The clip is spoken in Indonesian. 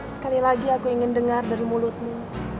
sekali lagi aku ingin dengar dari mulutmu